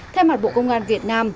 theo mặt bộ công an việt nam